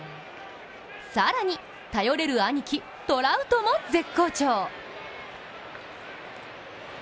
更に頼れるアニキトラウトも絶好調。